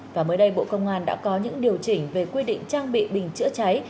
và mới đây bộ công an đã có những điều chỉnh về quy định trang bị bình chữa cháy